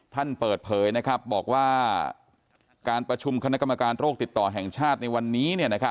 ท่านเปิดเผยบอกว่าการประชุมคณะกรรมการโรคติดต่อแห่งชาติในวันนี้